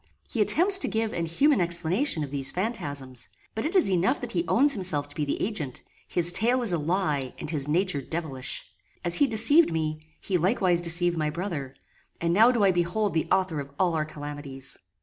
He attempts to give an human explanation of these phantasms; but it is enough that he owns himself to be the agent; his tale is a lie, and his nature devilish. As he deceived me, he likewise deceived my brother, and now do I behold the author of all our calamities!